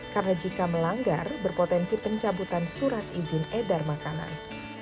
karena jika melanggar berpotensi pencabutan surat izin edar makanan